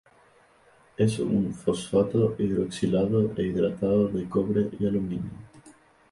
Es un fosfato hidroxilado e hidratado de cobre y aluminio.